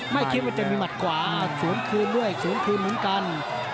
ไม่คิดว่าจะมีหมัดขวาสวนคืนด้วยสวนคืนเหมือนกัน